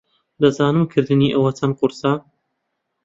دەزانم کردنی ئەوە چەند قورسە.